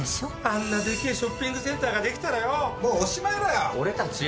あんなでけえショッピングセンターができたらよおもうおしまいだよ！